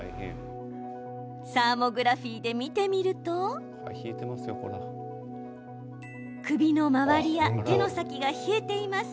サーモグラフィーで見てみると首の周りや手の先が冷えています。